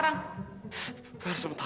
aku ih eh ujur ya